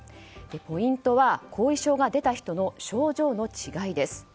ポイントは、後遺症が出た人の症状の違いです。